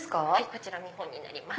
こちら見本になります。